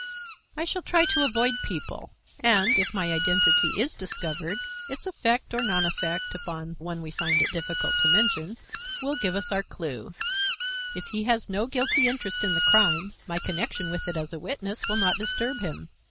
"I shall try to avoid people; and, if my identity is discovered, its effect or non effect upon one we find it difficult to mention will give us our clue. If he has no guilty interest in the crime, my connection with it as a witness will not disturb him.